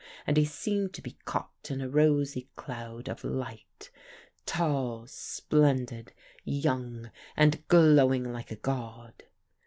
And he seemed to be caught in a rosy cloud of light: tall, splendid, young, and glowing like a god.